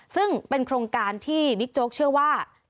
ซึ่งเป็นโครงการที่บิ๊กโจ๊กเชื่อว่า